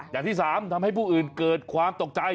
อย่างที่สามทำให้ผู้อื่นเกิดความตกใจ